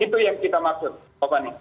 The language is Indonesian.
itu yang kita maksud bapak